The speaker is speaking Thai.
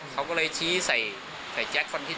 ช่วยเร่งจับตัวคนร้ายให้ได้โดยเร่ง